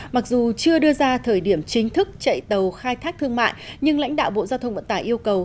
mặc dù chưa đưa ra thời điểm chính thức chạy tàu khai thác thương mại nhưng lãnh đạo bộ giao thông vận tải yêu cầu